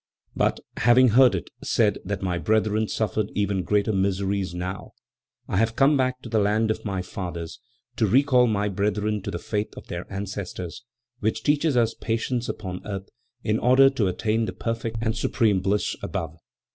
"But, having heard it said that my brethren suffered even greater miseries now, I have come back to the land of my fathers, to recall my brethren to the faith of their ancestors, which teaches us patience upon earth in order to attain the perfect and supreme bliss above."